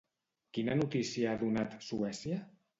Quina notícia ha donat Suècia?